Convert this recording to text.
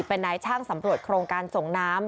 เป็นนายช่างสำรวจโครงการส่งน้ำ